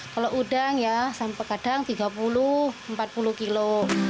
kalau udang ya sampai kadang tiga puluh empat puluh kilo